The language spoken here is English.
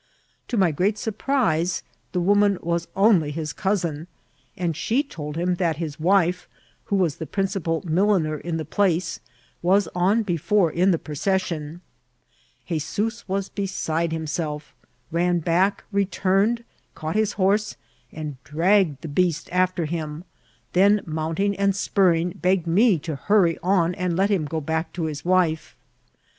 To my great surprise, the woman was only his cousin, and she told him that his wife, who was the principal milliner in the place, was on before in the procession* 'Hezoos was beside himself; ran back, re turned, caught his horse, and dragged the beast after him ; then mounting and spurring, begged me to hurry on and let him go back to his wife.